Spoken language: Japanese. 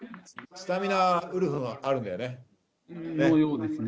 スタミナはウルフのほうがあるんだよね。